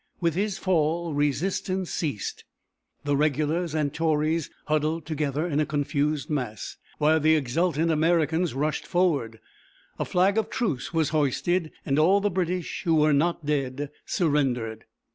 With his fall resistance ceased. The regulars and Tories huddled together in a confused mass, while the exultant Americans rushed forward. A flag of truce was hoisted, and all the British who were not dead surrendered.